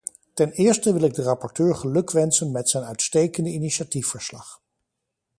Ten eerste wil ik de rapporteur gelukwensen met zijn uitstekende initiatiefverslag.